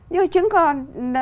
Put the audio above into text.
nhưng chứng còn